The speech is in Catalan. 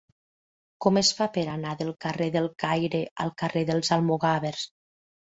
Com es fa per anar del carrer del Caire al carrer dels Almogàvers?